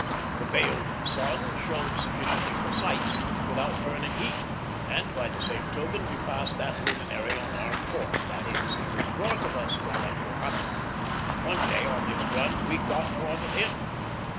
The veiled sun showed sufficiently for sights, without burning heat, and by the same token we passed that luminary on our course; that is, he was north of us while at Johanna, and one day on this run we got north of him.